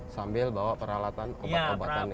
sambil bawa peralatan obat obatan itu tadi